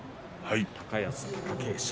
高安、貴景勝。